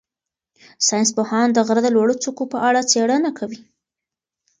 ساینس پوهان د غره د لوړو څوکو په اړه څېړنه کوي.